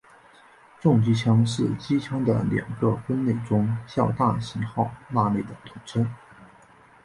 重机枪是机枪的两个分类中较大型号那类的统称。